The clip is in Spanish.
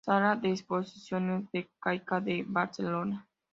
Sala de exposiciones de Caixa de Barcelona.